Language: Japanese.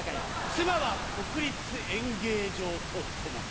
「妻は国立演芸場と共に」